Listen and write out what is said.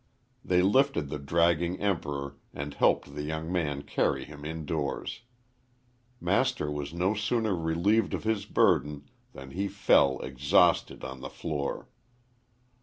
They lifted the dragging Emperor and helped the young man carry him in doors. Master was no sooner relieved of his burden than he fell exhausted on the floor.